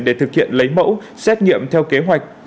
để thực hiện lấy mẫu xét nghiệm theo kế hoạch